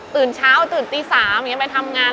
ตื่นเช้าตื่นตี๓ไปทำงาน